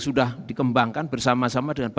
sudah dikembangkan bersama sama dengan